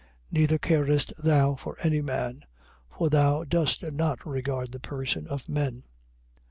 Neither carest thou for any man: for thou dost not regard the person of men.